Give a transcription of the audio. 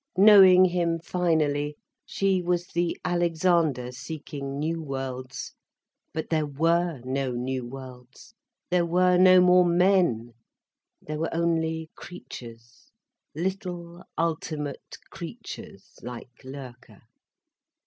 Knowing him finally she was the Alexander seeking new worlds. But there were no new worlds, there were no more men, there were only creatures, little, ultimate creatures like Loerke.